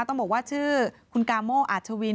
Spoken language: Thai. ต้องบอกว่าชื่อคุณกาโมอาชวิน